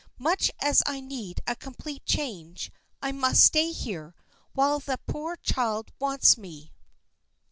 Much as I need a complete change, I must stay here, while that poor child wants me."